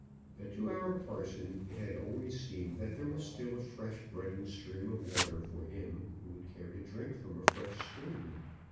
But to our parson it had always seemed that there was still a fresh running stream of water for him who would care to drink from a fresh stream.